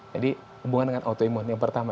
jadi hubungan dengan autoimun yang pertama